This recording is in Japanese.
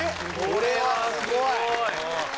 これはすごい！